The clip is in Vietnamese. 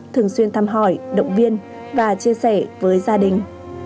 thường xuyên thăm hỏi động viên và chia sẻ với gia đình